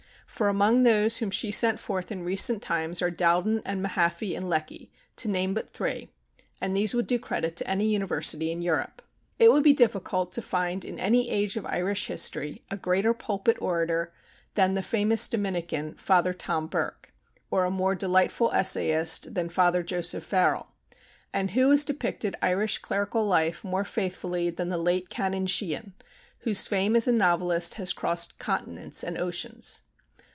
For among those whom she sent forth in recent times are Dowden and Mahaffy and Lecky, to name but three, and these would do credit to any university in Europe. It would be difficult to find in any age of Irish history a greater pulpit orator than the famous Dominican, Father Tom Burke, or a more delightful essayist than Father Joseph Farrell; and who has depicted Irish clerical life more faithfully than the late Canon Sheehan, whose fame as a novelist has crossed continents and oceans?